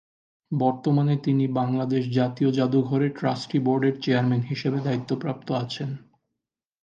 বর্তমানে তিনি বাংলাদেশ জাতীয় জাদুঘরের ট্রাস্টি বোর্ডের চেয়ারম্যান হিসেবে দায়িত্ব প্রাপ্ত আছেন।